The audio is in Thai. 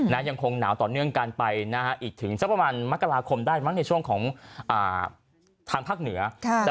ยังคงหนาวต่อเนื่องกันไปนะฮะอีกถึงสักประมาณมกราคมได้มั้งในช่วงของทางภาคเหนือ